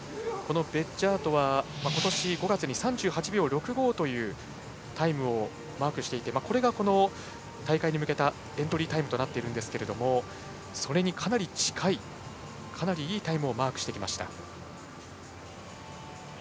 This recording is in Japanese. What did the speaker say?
ベッジャートは今年５月に３８秒６５というタイムをマークしていてこれが、大会に向けたエントリータイムとなっているんですがそれにかなり近いかなりいいタイムをマークしてきました。